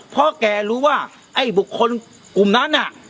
เพราะแกรู้ว่าไอ้บุคคลกลุ่มนั้นน่ะ